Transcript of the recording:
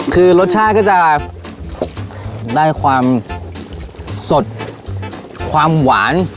คือรสชาติก็จะได้ความสดความหวาน